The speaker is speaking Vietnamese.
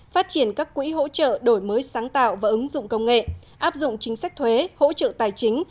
phát triển các quỹ hỗ trợ đổi mới sáng tạo và ứng dụng công nghệ áp dụng chính sách thuế hỗ trợ tài chính